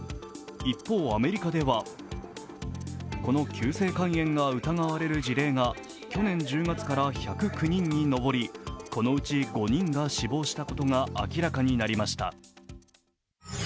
一方、アメリカでは、この急性肝炎が疑われる事例が去年１０月から１０９人に上り、このうち５人が死亡したことが明らかになりました。